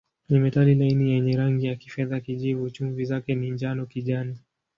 Ni metali laini yenye rangi ya kifedha-kijivu, chumvi zake ni njano-kijani.